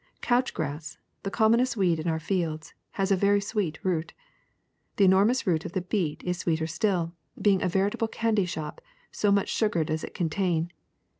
Couch grass, the com monest weed in our fields, has a very sweet root. The enormous root of the beet is sweeter still, being a veritable candy shop, so much sugar does it con tain.